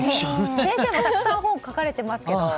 先生もたくさん本を書かれてますけど。